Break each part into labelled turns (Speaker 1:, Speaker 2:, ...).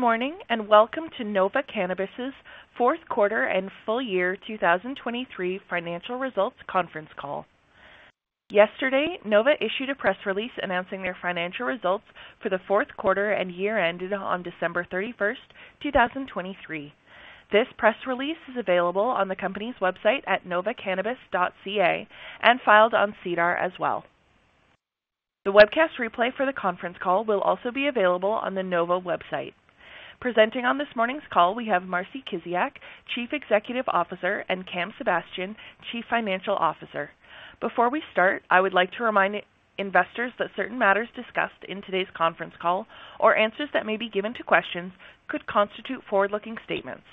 Speaker 1: Good morning and welcome to Nova Cannabis's Q4 and full-year 2023 financial results conference call. Yesterday, Nova issued a press release announcing their financial results for the Q4 and year ended on December 31, 2023. This press release is available on the company's website at novacannabis.ca and filed on SEDAR as well. The webcast replay for the conference call will also be available on the Nova website. Presenting on this morning's call we have Marcie Kiziak, Chief Executive Officer, and Cam Sebastian, Chief Financial Officer. Before we start, I would like to remind investors that certain matters discussed in today's conference call, or answers that may be given to questions, could constitute forward-looking statements.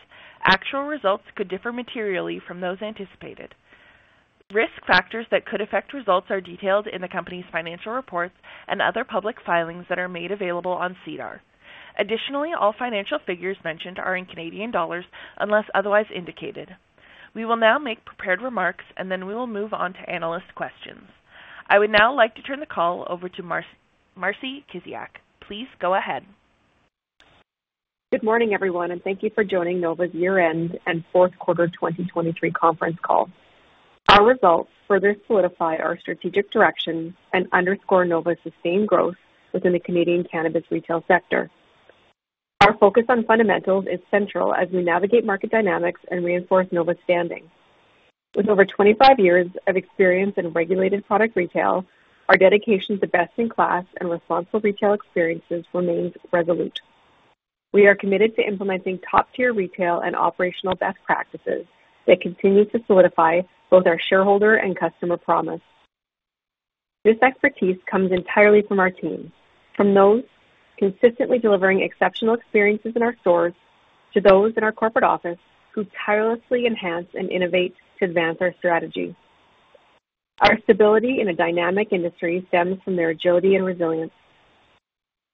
Speaker 1: Actual results could differ materially from those anticipated. Risk factors that could affect results are detailed in the company's financial reports and other public filings that are made available on SEDAR. Additionally, all financial figures mentioned are in Canadian dollars unless otherwise indicated. We will now make prepared remarks, and then we will move on to analyst questions. I would now like to turn the call over to Marcie Kiziak. Please go ahead.
Speaker 2: Good morning, everyone, and thank you for joining Nova's year-end and Q4 2023 conference call. Our results further solidify our strategic direction and underscore Nova's sustained growth within the Canadian cannabis retail sector. Our focus on fundamentals is central as we navigate market dynamics and reinforce Nova's standing. With over 25 years of experience in regulated product retail, our dedication to best-in-class and responsible retail experiences remains resolute. We are committed to implementing top-tier retail and operational best practices that continue to solidify both our shareholder and customer promise. This expertise comes entirely from our team, from those consistently delivering exceptional experiences in our stores to those in our corporate office who tirelessly enhance and innovate to advance our strategy. Our stability in a dynamic industry stems from their agility and resilience.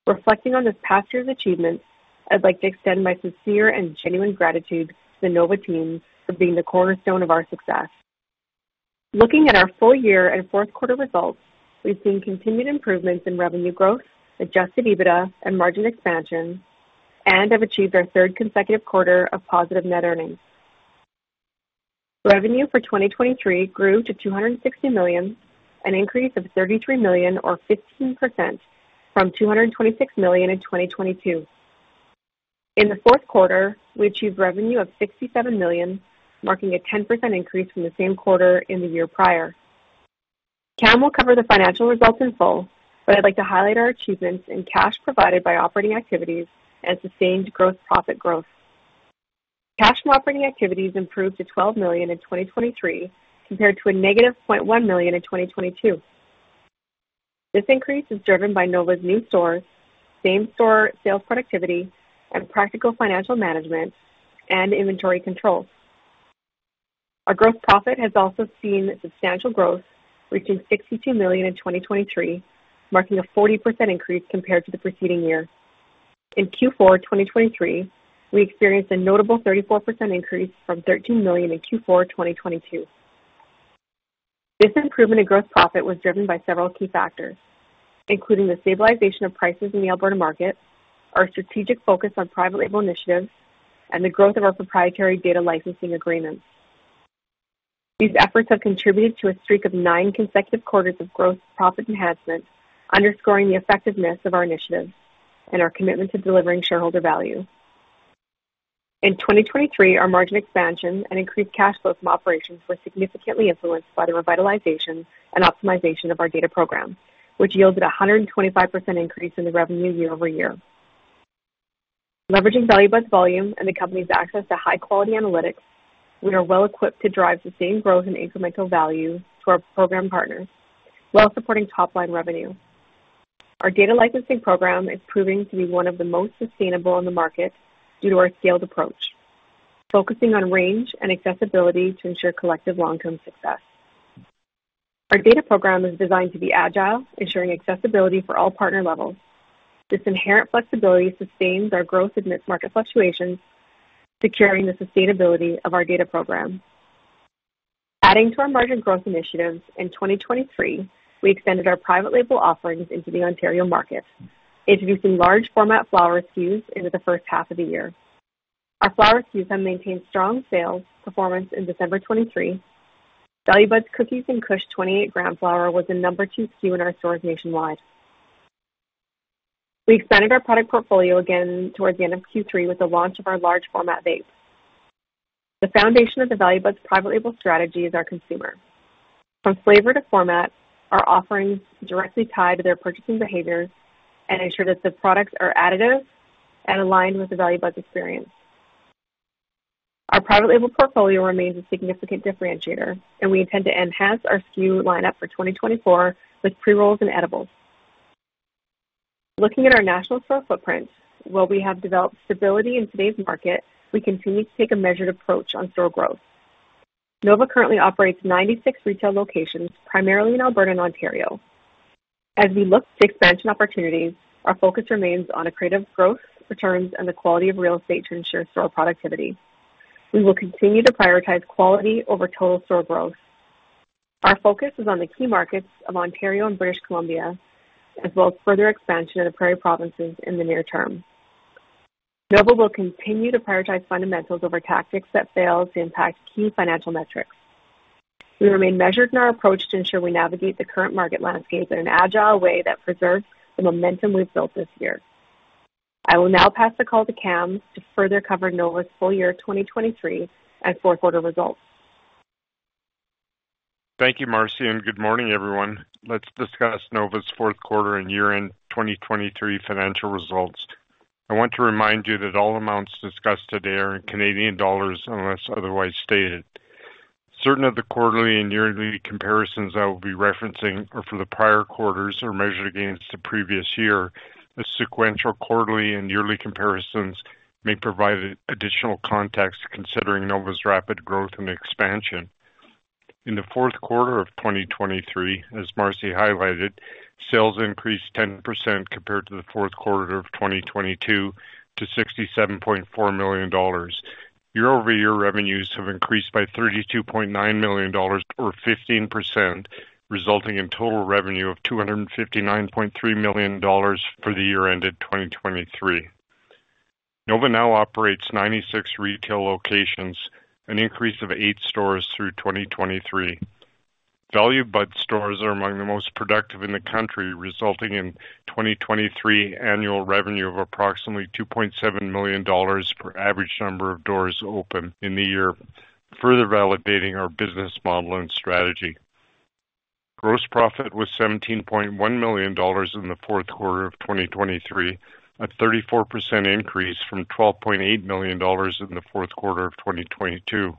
Speaker 2: Reflecting on this past year's achievements, I'd like to extend my sincere and genuine gratitude to the Nova team for being the cornerstone of our success. Looking at our full-year and Q4 results, we've seen continued improvements in revenue growth, Adjusted EBITDA, and margin expansion, and have achieved our third consecutive quarter of positive net earnings. Revenue for 2023 grew to 260 million, an increase of 33 million or 15% from 226 million in 2022. In the Q4, we achieved revenue of 67 million, marking a 10% increase from the same quarter in the year prior. Cam will cover the financial results in full, but I'd like to highlight our achievements in cash provided by operating activities and sustained gross profit growth. Cash from operating activities improved to 12 million in 2023 compared to a negative 0.1 million in 2022. This increase is driven by Nova's new stores, same-store sales productivity, and practical financial management and inventory control. Our gross profit has also seen substantial growth, reaching 62 million in 2023, marking a 40% increase compared to the preceding year. In Q4 2023, we experienced a notable 34% increase from 13 million in Q4 2022. This improvement in gross profit was driven by several key factors, including the stabilization of prices in the Alberta market, our strategic focus on private label initiatives, and the growth of our proprietary data licensing agreements. These efforts have contributed to a streak of nine consecutive quarters of gross profit enhancement, underscoring the effectiveness of our initiatives and our commitment to delivering shareholder value. In 2023, our margin expansion and increased cash flow from operations were significantly influenced by the revitalization and optimization of our data program, which yielded a 125% increase in the revenue year-over-year. Leveraging value-added volume and the company's access to high-quality analytics, we are well-equipped to drive sustained growth and incremental value to our program partners, while supporting top-line revenue. Our data licensing program is proving to be one of the most sustainable in the market due to our scaled approach, focusing on range and accessibility to ensure collective long-term success. Our data program is designed to be agile, ensuring accessibility for all partner levels. This inherent flexibility sustains our growth amidst market fluctuations, securing the sustainability of our data program. Adding to our margin growth initiatives, in 2023, we extended our private label offerings into the Ontario market, introducing large-format flower SKUs into the first half of the year. Our flower SKUs have maintained strong sales performance in December 2023. Value Buds Cookies and Kush 28-gram flower was the number two SKU in our stores nationwide. We expanded our product portfolio again towards the end of Q3 with the launch of our large-format vapes. The foundation of the Value Buds private label strategy is our consumer. From flavor to format, our offerings are directly tied to their purchasing behaviors and ensure that the products are additive and aligned with the Value Buds experience. Our private label portfolio remains a significant differentiator, and we intend to enhance our SKU lineup for 2024 with pre-rolls and edibles. Looking at our national store footprint, while we have developed stability in today's market, we continue to take a measured approach on store growth. Nova currently operates 96 retail locations, primarily in Alberta and Ontario. As we look to expansion opportunities, our focus remains on accretive growth, returns, and the quality of real estate to ensure store productivity. We will continue to prioritize quality over total store growth. Our focus is on the key markets of Ontario and British Columbia, as well as further expansion in the Prairie provinces in the near term. Nova will continue to prioritize fundamentals over tactics that fail to impact key financial metrics. We remain measured in our approach to ensure we navigate the current market landscape in an agile way that preserves the momentum we've built this year. I will now pass the call to Cam to further cover Nova's full-year 2023 and fourth-quarter results.
Speaker 3: Thank you, Marcie, and good morning, everyone. Let's discuss Nova's Q4 and year-end 2023 financial results. I want to remind you that all amounts discussed today are in Canadian dollars unless otherwise stated. Certain of the quarterly and yearly comparisons I will be referencing are for the prior quarters or measured against the previous year, as sequential quarterly and yearly comparisons may provide additional context considering Nova's rapid growth and expansion. In the Q4 of 2023, as Marcie highlighted, sales increased 10% compared to the Q4 of 2022 to 67.4 million dollars. Year-over-year revenues have increased by 32.9 million dollars or 15%, resulting in total revenue of 259.3 million dollars for the year ended 2023. Nova now operates 96 retail locations, an increase of eight stores through 2023. Buds stores are among the most productive in the country, resulting in 2023 annual revenue of approximately 2.7 million dollars per average number of doors open in the year, further validating our business model and strategy. Gross profit was 17.1 million dollars in the Q4 of 2023, a 34% increase from 12.8 million dollars in the Q4 of 2022.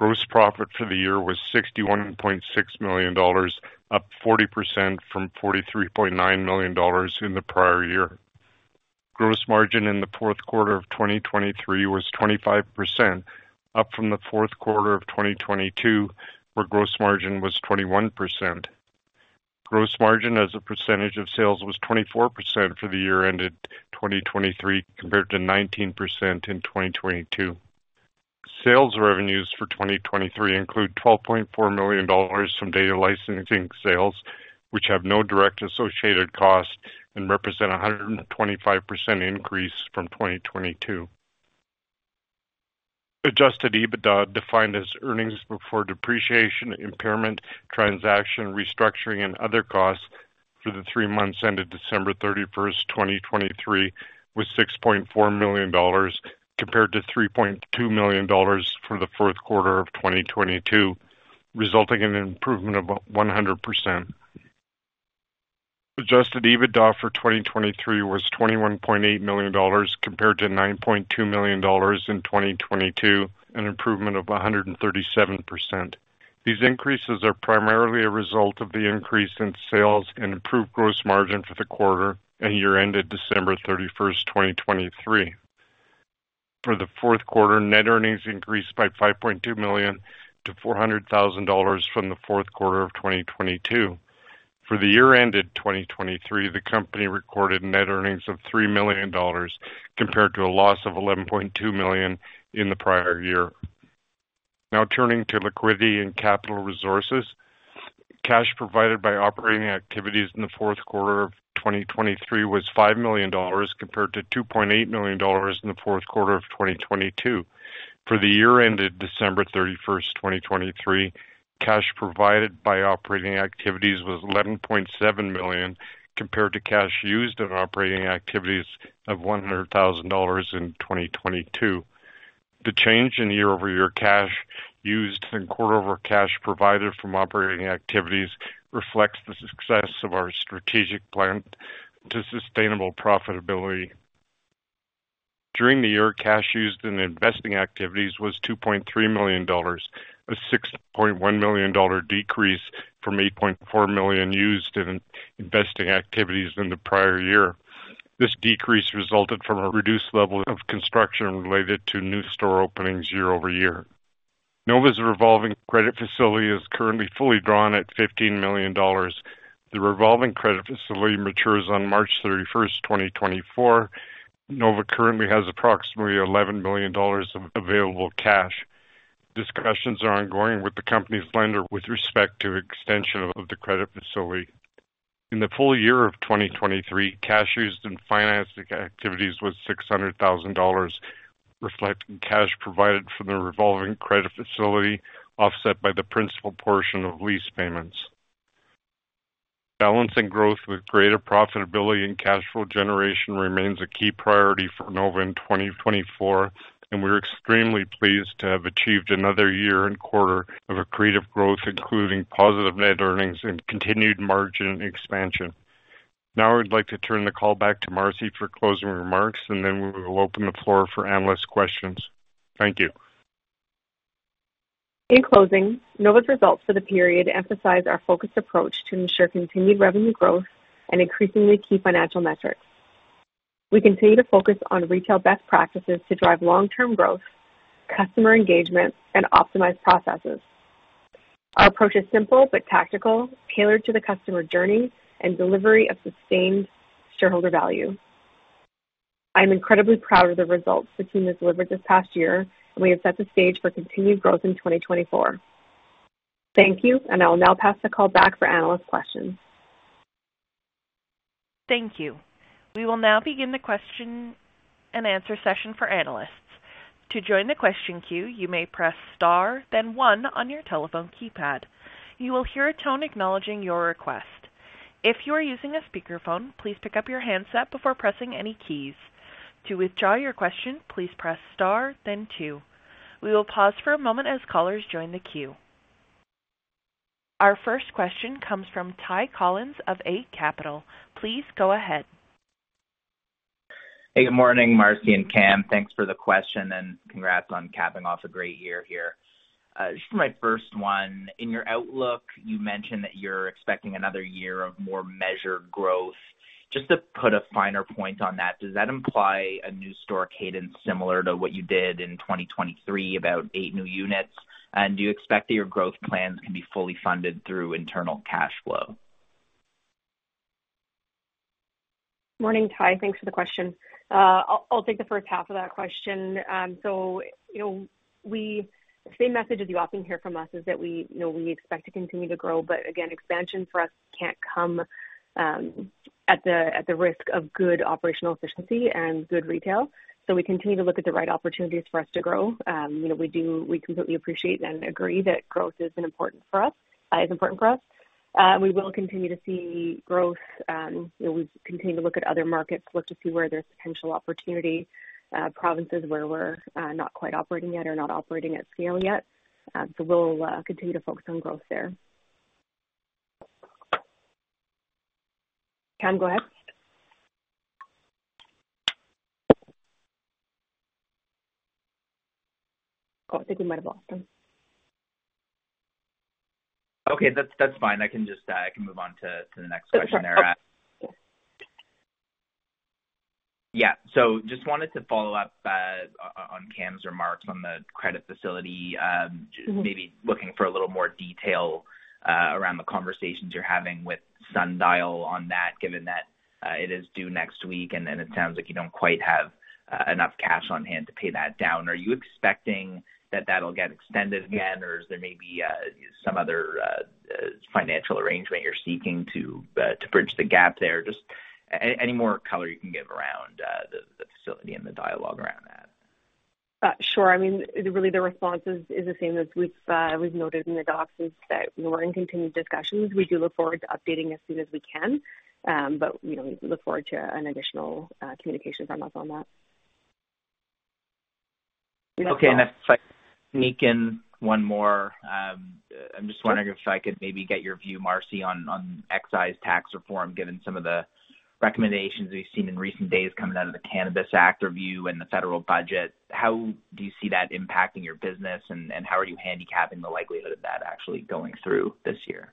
Speaker 3: Gross profit for the year was 61.6 million dollars, up 40% from 43.9 million dollars in the prior year. Gross margin in the Q4 of 2023 was 25%, up from the Q4 of 2022 where gross margin was 21%. Gross margin as a percentage of sales was 24% for the year ended 2023 compared to 19% in 2022. Sales revenues for 2023 include 12.4 million dollars from data licensing sales, which have no direct associated cost and represent a 125% increase from 2022. Adjusted EBITDA, defined as earnings before depreciation, impairment, transaction, restructuring, and other costs for the three months ended December 31st, 2023, was 6.4 million dollars compared to 3.2 million dollars for the Q4 of 2022, resulting in an improvement of 100%. Adjusted EBITDA for 2023 was 21.8 million dollars compared to 9.2 million dollars in 2022, an improvement of 137%. These increases are primarily a result of the increase in sales and improved gross margin for the quarter and year ended December 31st, 2023. For the Q4, net earnings increased by 5.2 million to 400,000 dollars from the Q4 of 2022. For the year ended 2023, the company recorded net earnings of 3 million dollars compared to a loss of 11.2 million in the prior year. Now turning to liquidity and capital resources. Cash provided by operating activities in the Q4 of 2023 was 5 million dollars compared to 2.8 million dollars in the Q4 of 2022. For the year ended December 31, 2023, cash provided by operating activities was 11.7 million compared to cash used in operating activities of 100,000 dollars in 2022. The change in year-over-year cash used and quarter-over cash provided from operating activities reflects the success of our strategic plan to sustainable profitability. During the year, cash used in investing activities was 2.3 million dollars, a 6.1 million dollar decrease from 8.4 million used in investing activities in the prior year. This decrease resulted from a reduced level of construction related to new store openings year over year. Nova's revolving credit facility is currently fully drawn at 15 million dollars. The revolving credit facility matures on March 31, 2024. Nova currently has approximately 11 million dollars of available cash. Discussions are ongoing with the company's lender with respect to extension of the credit facility. In the full year of 2023, cash used in financing activities was 600,000 dollars, reflecting cash provided from the revolving credit facility offset by the principal portion of lease payments. Balancing growth with greater profitability and cash flow generation remains a key priority for Nova in 2024, and we are extremely pleased to have achieved another year and quarter of accreative growth, including positive net earnings and continued margin expansion. Now I would like to turn the call back to Marcie for closing remarks, and then we will open the floor for analyst questions. Thank you.
Speaker 2: In closing, Nova's results for the period emphasize our focused approach to ensure continued revenue growth and increasingly key financial metrics. We continue to focus on retail best practices to drive long-term growth, customer engagement, and optimize processes. Our approach is simple but tactical, tailored to the customer journey and delivery of sustained shareholder value. I am incredibly proud of the results the team has delivered this past year, and we have set the stage for continued growth in 2024. Thank you, and I will now pass the call back for analyst questions.
Speaker 1: Thank you. We will now begin the Q&A session for analysts. To join the question queue, you may press star then 1 on your telephone keypad. You will hear a tone acknowledging your request. If you are using a speakerphone, please pick up your handset before pressing any keys. To withdraw your question, please press star then 2. We will pause for a moment as callers join the queue. Our first question comes from Ty Collins of Eight Capital. Please go ahead.
Speaker 4: Hey, good morning, Marcie and Cam. Thanks for the question, and congrats on capping off a great year here. Just for my first one, in your outlook, you mentioned that you're expecting another year of more measured growth. Just to put a finer point on that, does that imply a new store cadence similar to what you did in 2023, about eight new units? And do you expect that your growth plans can be fully funded through internal cash flow?
Speaker 2: Morning, Ty. Thanks for the question. I'll take the first half of that question. So the same message as you often hear from us is that we expect to continue to grow, but again, expansion for us can't come at the risk of good operational efficiency and good retail. So we continue to look at the right opportunities for us to grow. We completely appreciate and agree that growth is important for us is important for us. We will continue to see growth. We continue to look at other markets, look to see where there's potential opportunity, provinces where we're not quite operating yet or not operating at scale yet. So we'll continue to focus on growth there. Cam, go ahead. Oh, I think we might have lost him.
Speaker 4: Okay, that's fine. I can move on to the next question they're at.
Speaker 2: Sure.
Speaker 4: Yeah. So just wanted to follow up on Cam's remarks on the credit facility, maybe looking for a little more detail around the conversations you're having with Sundial on that, given that it is due next week and then it sounds like you don't quite have enough cash on hand to pay that down. Are you expecting that that'll get extended again, or is there maybe some other financial arrangement you're seeking to bridge the gap there? Just any more color you can give around the facility and the dialogue around that.
Speaker 2: Sure. I mean, really, the response is the same as we've noted in the docs, is that we're in continued discussions. We do look forward to updating as soon as we can, but we look forward to an additional communication from us on that.
Speaker 4: Okay. And if I can sneak in one more, I'm just wondering if I could maybe get your view, Marcie, on excise tax reform, given some of the recommendations we've seen in recent days coming out of the Cannabis Act review and the federal budget. How do you see that impacting your business, and how are you handicapping the likelihood of that actually going through this year?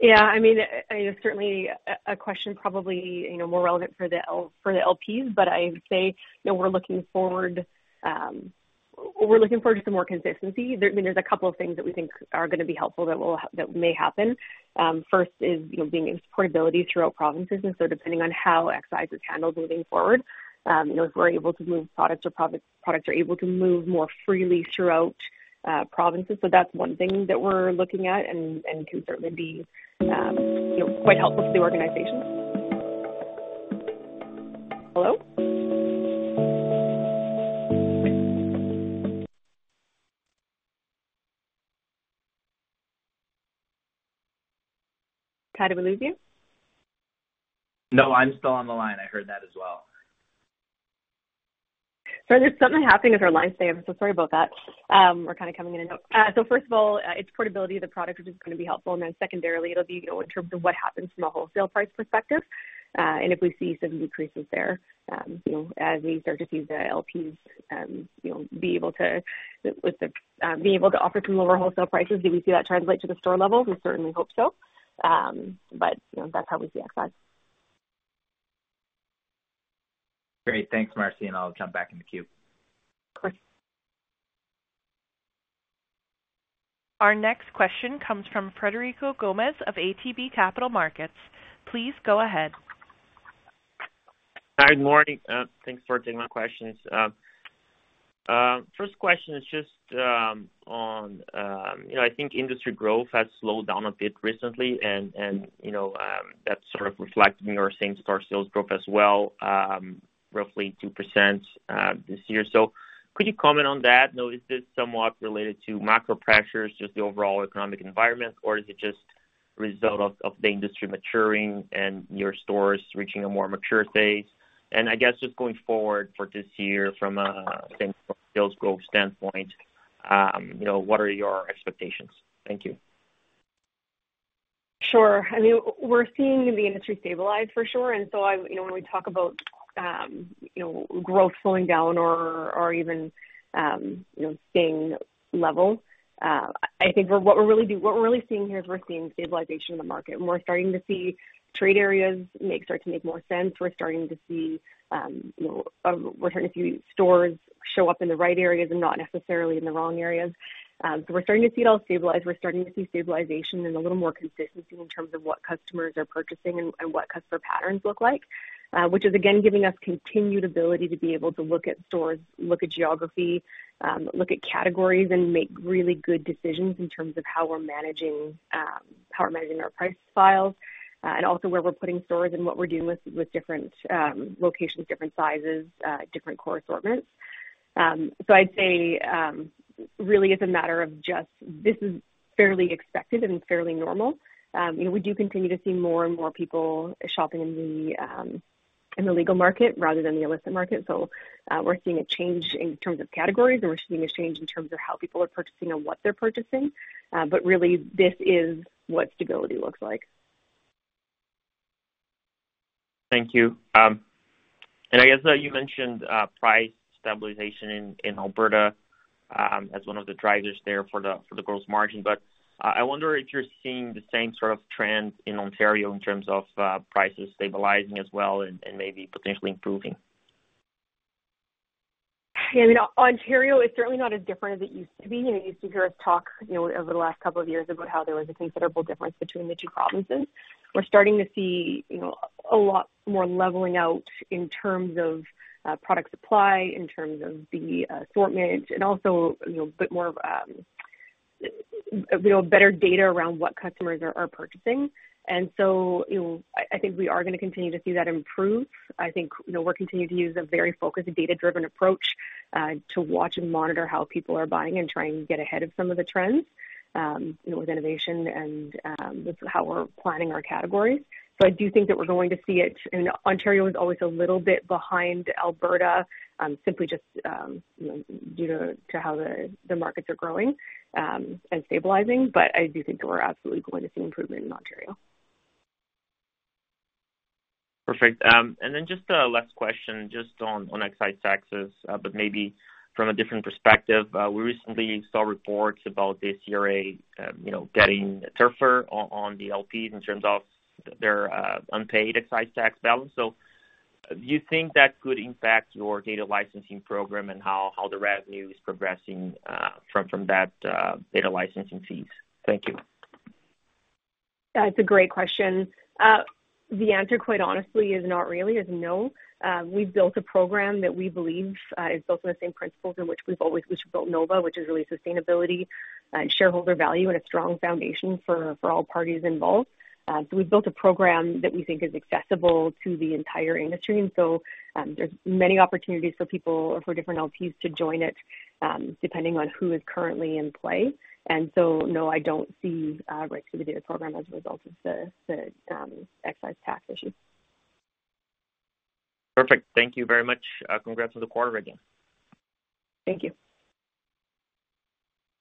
Speaker 2: Yeah. I mean, it's certainly a question probably more relevant for the LPs, but I'd say we're looking forward to some more consistency. I mean, there's a couple of things that we think are going to be helpful that may happen. First is being able to portability throughout provinces. And so depending on how excise is handled moving forward, if we're able to move products or products are able to move more freely throughout provinces. So that's one thing that we're looking at and can certainly be quite helpful to the organization. Hello? Ty, did we lose you? No, I'm still on the line. I heard that as well.
Speaker 5: Sorry, there's something happening with our lines today. I'm so sorry about that. We're kind of coming in a note. So first of all, it's portability of the product, which is going to be helpful. And then secondarily, it'll be in terms of what happens from a wholesale price perspective, and if we see some decreases there as we start to see the LPs be able to with the being able to offer some lower wholesale prices. Do we see that translate to the store level? We certainly hope so. But that's how we see excise. Great. Thanks, Marcie, and I'll jump back in the queue.
Speaker 2: Of course.
Speaker 1: Our next question comes from Frederico Gomes of ATB Capital Markets. Please go ahead.
Speaker 6: Hi, good morning. Thanks for taking my questions. First question is just on, I think industry growth has slowed down a bit recently, and that's sort of reflected in your same store sales growth as well, roughly 2% this year. So could you comment on that? Is this somewhat related to macro pressures, just the overall economic environment, or is it just a result of the industry maturing and your stores reaching a more mature phase? And I guess just going forward for this year from a sales growth standpoint, what are your expectations? Thank you.
Speaker 2: Sure. I mean, we're seeing the industry stabilize, for sure. And so when we talk about growth slowing down or even staying level, I think what we're really seeing here is we're seeing stabilization in the market. We're starting to see trade areas start to make more sense. We're starting to see stores show up in the right areas and not necessarily in the wrong areas. So we're starting to see it all stabilize. We're starting to see stabilization and a little more consistency in terms of what customers are purchasing and what customer patterns look like, which is, again, giving us continued ability to be able to look at stores, look at geography, look at categories, and make really good decisions in terms of how we're managing how we're managing our price files and also where we're putting stores and what we're doing with different locations, different sizes, different core assortments. So I'd say really, it's a matter of just this is fairly expected and fairly normal. We do continue to see more and more people shopping in the legal market rather than the illicit market. So we're seeing a change in terms of categories, and we're seeing a change in terms of how people are purchasing and what they're purchasing. But really, this is what stability looks like.
Speaker 6: Thank you. And I guess you mentioned price stabilization in Alberta as one of the drivers there for the gross margin. But I wonder if you're seeing the same sort of trend in Ontario in terms of prices stabilizing as well and maybe potentially improving?
Speaker 2: Yeah. I mean, Ontario is certainly not as different as it used to be. You used to hear us talk over the last couple of years about how there was a considerable difference between the two provinces. We're starting to see a lot more leveling out in terms of product supply, in terms of the assortment, and also a bit more of better data around what customers are purchasing. And so I think we are going to continue to see that improve. I think we're continuing to use a very focused, data-driven approach to watch and monitor how people are buying and try and get ahead of some of the trends with innovation and how we're planning our categories. So I do think that we're going to see it. I mean, Ontario is always a little bit behind Alberta simply just due to how the markets are growing and stabilizing. But I do think that we're absolutely going to see improvement in Ontario.
Speaker 6: Perfect. And then just a last question just on excise taxes, but maybe from a different perspective. We recently saw reports about the CRA getting tougher on the LPs in terms of their unpaid excise tax balance. So do you think that could impact your data licensing program and how the revenue is progressing from that data licensing fees? Thank you.
Speaker 2: Yeah, it's a great question. The answer, quite honestly, is not really. It's no. We've built a program that we believe is built on the same principles in which we've always built Nova, which is really sustainability and shareholder value and a strong foundation for all parties involved. So we've built a program that we think is accessible to the entire industry. And so there's many opportunities for people or for different LPs to join it depending on who is currently in play. And so no, I don't see a breakthrough in the data program as a result of the excise tax issue. Perfect. Thank you very much. Congrats on the quarter again. Thank you.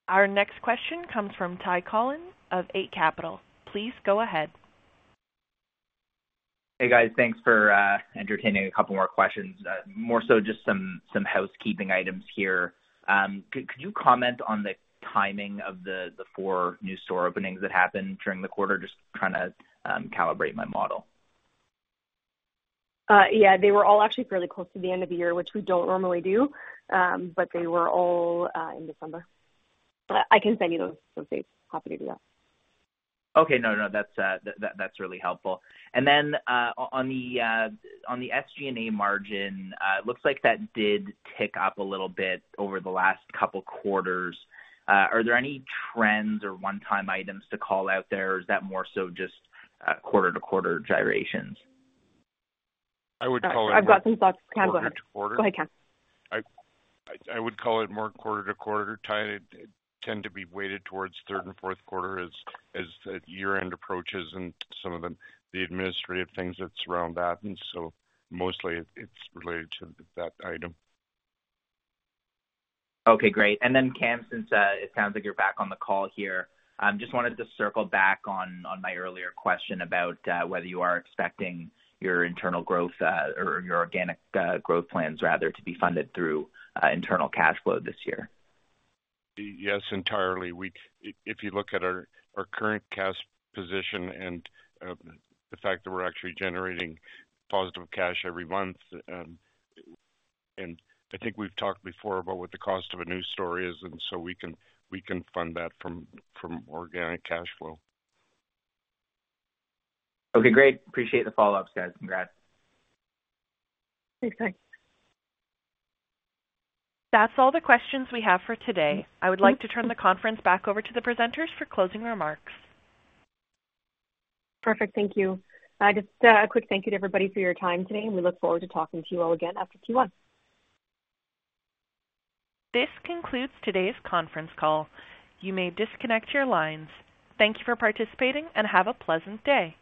Speaker 1: Our next question comes from Ty Collins of Eight Capital. Please go ahead.
Speaker 4: Hey, guys. Thanks for entertaining a couple more questions, more so just some housekeeping items here. Could you comment on the timing of the 4 new store openings that happened during the quarter? Just trying to calibrate my model.
Speaker 2: Yeah, they were all actually fairly close to the end of the year, which we don't normally do, but they were all in December. I can send you those dates. Happy to do that.
Speaker 4: Okay. No, that's really helpful. And then on the SG&A margin, it looks like that did tick up a little bit over the last couple quarters. Are there any trends or one-time items to call out there, or is that more so just quarter-to-quarter gyrations?
Speaker 3: I would call it.
Speaker 2: I've got some thoughts. Cam, go ahead.
Speaker 3: Quarter?
Speaker 2: Go ahead, Cam.
Speaker 3: I would call it more quarter-to-quarter. Ty, they tend to be weighted towards third and Q4 as the year-end approaches and some of the administrative things that surround that. Mostly, it's related to that item. Okay, great. And then, Cam, since it sounds like you're back on the call here, I just wanted to circle back on my earlier question about whether you are expecting your internal growth or your organic growth plans, rather, to be funded through internal cash flow this year? Yes, entirely. If you look at our current cash position and the fact that we're actually generating positive cash every month and I think we've talked before about what the cost of a new store is, and so we can fund that from organic cash flow.
Speaker 4: Okay, great. Appreciate the follow-ups, guys. Congrats.
Speaker 2: Thanks, Ty.
Speaker 1: That's all the questions we have for today. I would like to turn the conference back over to the presenters for closing remarks.
Speaker 2: Perfect. Thank you. Just a quick thank you to everybody for your time today, and we look forward to talking to you all again after Q1.
Speaker 1: This concludes today's conference call. You may disconnect your lines. Thank you for participating, and have a pleasant day.